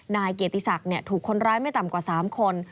นายเกียรติศักดิ์ถูกคนร้ายไม่ต่ำกว่า๓คน